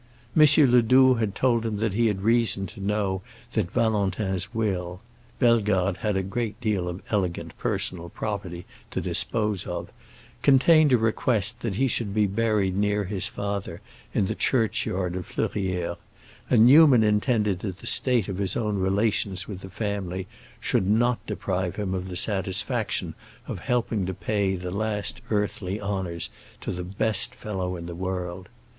M. Ledoux had told him that he had reason to know that Valentin's will—Bellegarde had a great deal of elegant personal property to dispose of—contained a request that he should be buried near his father in the churchyard of Fleurières, and Newman intended that the state of his own relations with the family should not deprive him of the satisfaction of helping to pay the last earthly honors to the best fellow in the world.